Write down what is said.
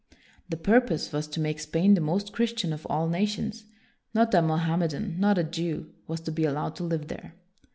The purpose was to make Spain the most Christian of all nations: not a Mohammedan, not a Jew, was to be allowed to live there.